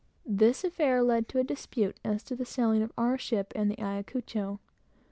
This affair led to a great dispute as to the sailing of our ship and the Ayacucho.